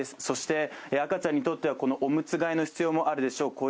そして赤ちゃんにとってはこのおむつ替えの必要もあるでしょう。